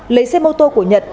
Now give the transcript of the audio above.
lấy xe mô tô của nhật